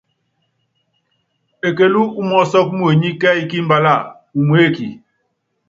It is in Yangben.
Ekelú umɔ́sɔ́k muenyi kɛ́ɛ́y kí imbalá uméeki.